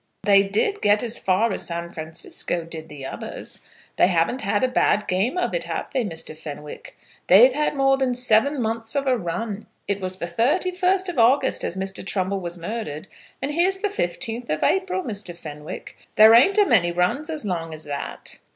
"They did get as far as San Francisco, did the others. They haven't had a bad game of it, have they, Mr. Fenwick? They've had more than seven months of a run. It was the 31st of August as Mr. Trumbull was murdered, and here's the 15th of April, Mr. Fenwick. There ain't a many runs as long as that.